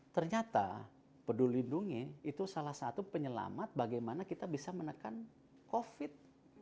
ternyata peduli lindungi itu salah satu penyelamat bagaimana kita bisa menekan covid